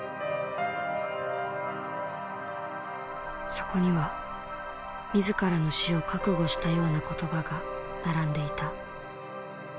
そこには自らの死を覚悟したような言葉が並んでいた。